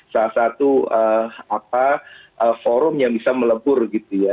salah satu forum yang bisa melebur gitu ya